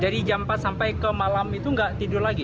dari jam empat sampai ke malam itu nggak tidur lagi